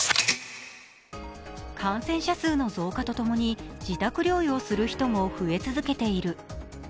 感染者数の増加とともに自宅療養する人も増え続けている。